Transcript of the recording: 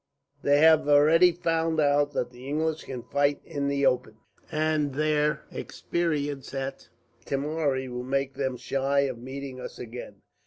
They have already found out that the English can fight in the open, and their experience at Timari will make them shy of meeting us again.